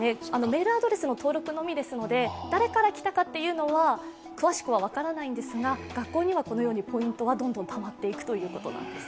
メールアドレスの登録のみですので誰から来たかというのは、詳しくは分からないんですが、学校にはこのようにポイントがどんどんたまっていきます。